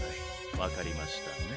わかりましたね。